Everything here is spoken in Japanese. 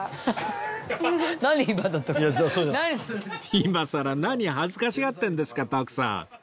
今さら何恥ずかしがってるんですか徳さん